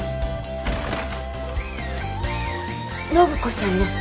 暢子さんの？